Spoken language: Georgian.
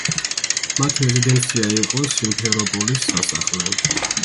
მათი რეზიდენცია იყო სიმფეროპოლის სასახლე.